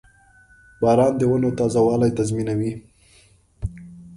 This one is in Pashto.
• باران د ونو تازهوالی تضمینوي.